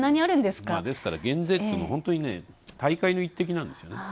ですから減税っていうのは本当に大海の一滴なんですね。